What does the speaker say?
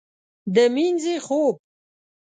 د مینځې خوب